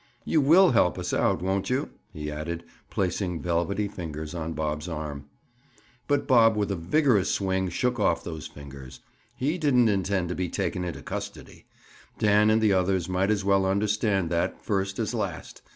"You will help us out, won't you?" he added, placing velvety fingers on Bob's arm. But Bob with a vigorous swing shook off those fingers. He didn't intend being taken into custody. Dan and the others might as well understand that, first as last.